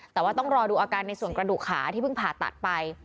แต่ว่าต้องรอดูอาการในส่วนกระดูกขาที่เพิ่งผ่าตัดไป